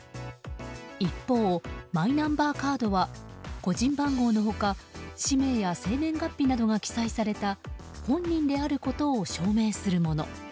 一方、マイナンバーカードは個人番号の他氏名や生年月日などが記載された本人であることを証明するもの。